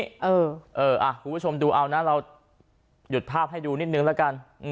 คุณผู้ชมดูเอานะเราหยุดภาพให้ดูนิดนึงละกัน